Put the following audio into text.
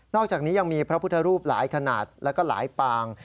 อกจากนี้ยังมีพระพุทธรูปหลายขนาดแล้วก็หลายปาง